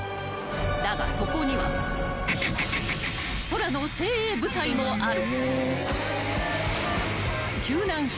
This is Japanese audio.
［だがそこには空の精鋭部隊もある］